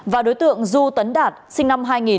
và đối tượng du tấn đạt sinh năm hai nghìn